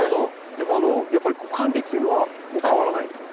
でもやっぱり管理っていうのは変わらないんですか？